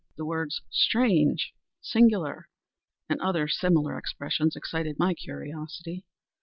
The words "strange!" "singular!" and other similar expressions, excited my curiosity.